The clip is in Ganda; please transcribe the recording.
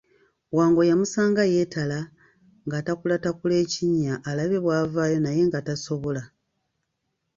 Wango yamusanga yeetala ng'atakulatakula ekinnya alabe bw'avaayo naye nga tasobola.